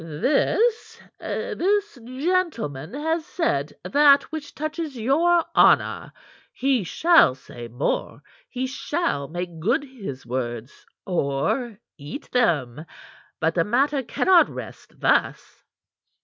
"This this gentleman has said that which touches your honor. He shall say more. He shall make good his words, or eat them. But the matter cannot rest thus."